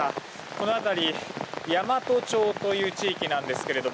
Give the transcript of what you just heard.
この辺り山都町という地域なんですけど